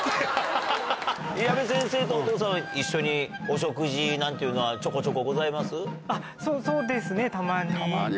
矢部先生とお父さんは、一緒にお食事なんていうのは、ちょこちょそうですね、たまに。